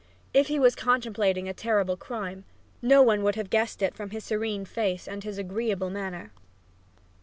If he was contemplating a terrible crime, no one would have guessed it from his serene face and his agreeable manner.